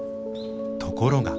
ところが。